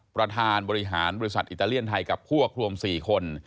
ประธานบริหารบริษัทอิตาเลียนไทยกับพวกรวม๔คน